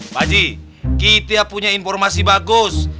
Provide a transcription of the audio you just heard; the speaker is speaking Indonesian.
pak haji kita punya informasi bagus